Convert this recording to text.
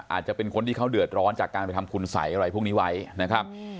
อาจจะเป็นคนที่เขาเดือดร้อนจากการไปทำคุณสัยอะไรพวกนี้ไว้นะครับ